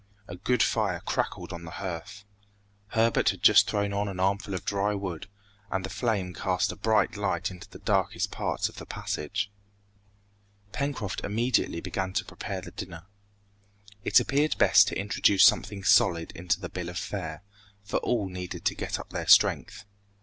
A good fire crackled on the hearth. Herbert had just thrown on an armful of dry wood, and the flame cast a bright light into the darkest parts of the passage. Pencroft immediately began to prepare the dinner. It appeared best to introduce something solid into the bill of fare, for all needed to get up their strength.